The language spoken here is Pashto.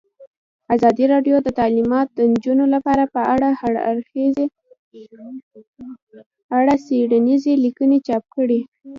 ازادي راډیو د تعلیمات د نجونو لپاره په اړه څېړنیزې لیکنې چاپ کړي.